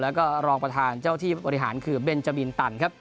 แล้วก็รองประธานเจ้าที่บริหารคือเบนจาบินตันครับ